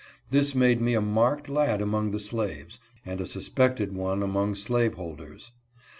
This made me a marked lad among the slaves, and a suspected one among slaveholders.